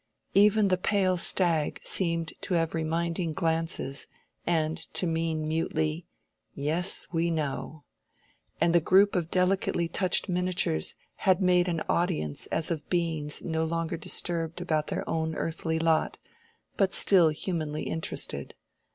Even the pale stag seemed to have reminding glances and to mean mutely, "Yes, we know." And the group of delicately touched miniatures had made an audience as of beings no longer disturbed about their own earthly lot, but still humanly interested.